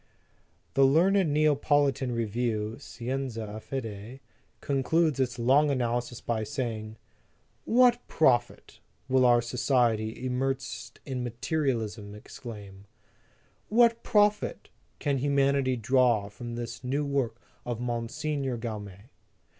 The learned Neapolitan review, Scienza e Fede, concludes its long analysis by saying, "What profit," will our society, immersed in materialism, exclaim, "what profit can human ity draw from this new work of MOT. Gaume?